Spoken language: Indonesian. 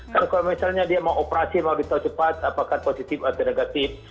kan kalau misalnya dia mau operasi mau ditaruh cepat apakah positif atau negatif